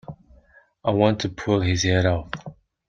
I want to pull his head off.